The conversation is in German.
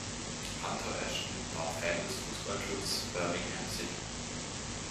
Hunter Ashton war Fan des Fußballclubs Birmingham City.